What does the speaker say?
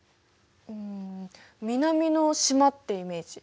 うん南の島ってイメージ。